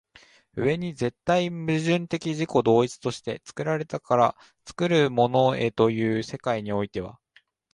上に絶対矛盾的自己同一として作られたものから作るものへという世界においては